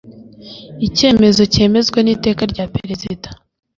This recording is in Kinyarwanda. icyemezo cyemezwa n’ iteka rya perezida